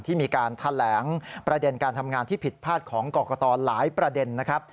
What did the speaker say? ที่มีการแถลงประเด็นการทำงานที่ผิดพลาดของกรกตหลายประเด็นนะครับ